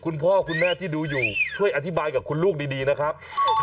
คุณพ่อคุณแม่ที่ดูอยู่ช่วยอธิบายกับคุณลูกดีนะครับ